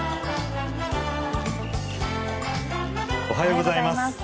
おはようございます。